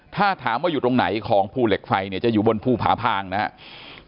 ถ้าถามว่าอยู่ตรงไหนของภูเหล็กไฟเนี่ยจะอยู่บนภูผาพางนะครับ